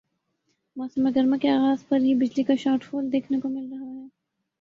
موسم گرما کے آغاز پر ہی بجلی کا شارٹ فال دیکھنے کو مل رہا ہے